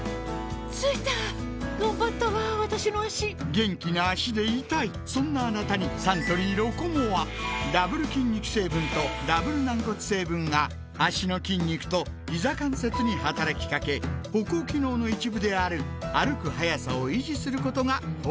着いたがんばったわ私の脚元気な脚でいたいそんなあなたにサントリー「ロコモア」ダブル筋肉成分とダブル軟骨成分が脚の筋肉とひざ関節に働きかけ歩行機能の一部である歩く速さを維持することが報告されています